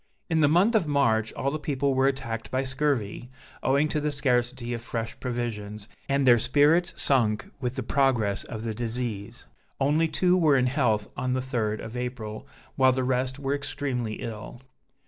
In the month of March all the people were attacked by scurvy, owing to the scarcity of fresh provisions, and their spirits sunk with the progress of the disease; only two were in health on the 3d of April, while the rest were extremely ill.